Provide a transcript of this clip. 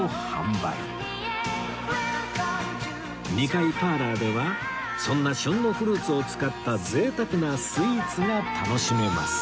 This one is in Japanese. ２階パーラーではそんな旬のフルーツを使った贅沢なスイーツが楽しめます